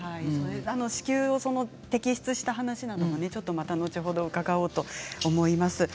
子宮を摘出した話なども後ほど伺おうと思います。